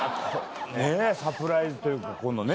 サプライズというかこのね。